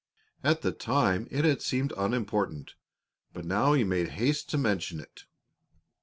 At the time it had seemed unimportant, but now he made haste to mention it.